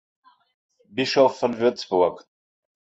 Bischof von Würzburg.